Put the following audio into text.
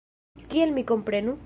Kiel mi komprenu?